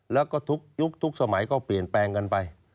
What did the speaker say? แล้วก็ทุกยุคทุกสมัยก็เปลี่ยนแปลงกันไป